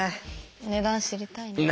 値段知りたいな。